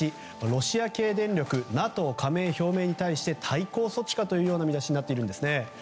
ロシア系電力ＮＡＴＯ加盟表明に対して対抗措置かという見出しになっているんですね。